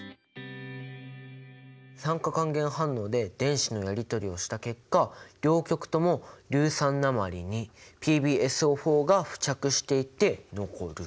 酸化還元反応で電子のやり取りをした結果両極とも硫酸鉛ＰｂＳＯが付着していって残る。